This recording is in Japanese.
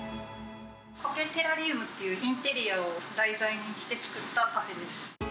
こけテラリウムというインテリアを題材にして作ったパフェです。